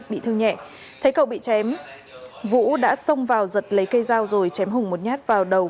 bị thương nhẹ thấy cậu bị chém vũ đã xông vào giật lấy cây dao rồi chém hùng một nhát vào đầu